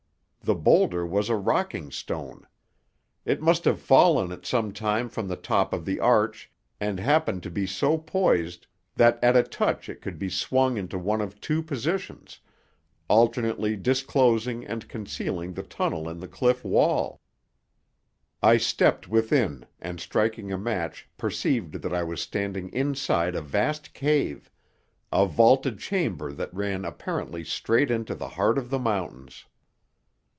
The boulder was a rocking stone. It must have fallen at some time from the top of the arch, and happened to be so poised that at a touch it could be swung into one of two positions, alternately disclosing and concealing the tunnel in the cliff wall. I stepped within and, striking a match perceived that I was standing inside a vast cave a vaulted chamber that ran apparently straight into the heart of the mountains.